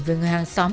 về người hàng xóm